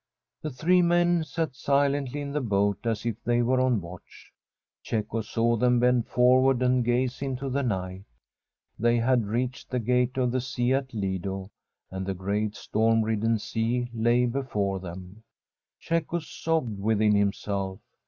The three men sat silently in the boat as if they were on watch. Cecco saw them bend for ward and gaze into the night. They had reached the gate of the sea at Lido, and the great storm ridden sea lay before them. Cecco sobbed within himself.